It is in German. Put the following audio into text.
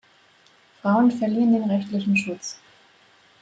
Frauen verlieren den rechtlichen Schutz.